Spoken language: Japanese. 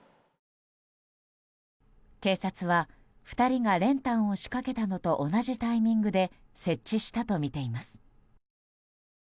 警察は２人が練炭を仕掛けたのと同じタイミングで設置したとみています。